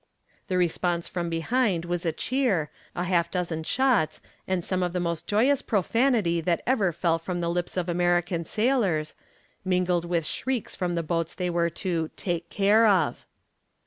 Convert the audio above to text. The response from behind was a cheer, a half dozen shots and some of the most joyous profanity that ever fell from the lips of American sailors, mingled with shrieks from the boats they were to "take care of."